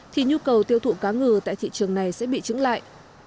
thì nhu cầu tiêu thụ cá ngừ tại thị trường này sẽ bị trứng lại